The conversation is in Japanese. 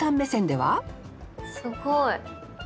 すごい！